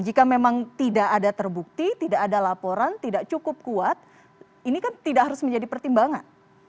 jika memang tidak ada terbukti tidak ada laporan tidak cukup kuat ini kan tidak harus menjadi pertimbangan